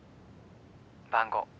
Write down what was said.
番号。